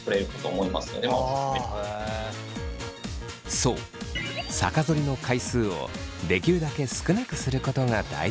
そう逆ぞりの回数をできるだけ少なくすることが大事だそう。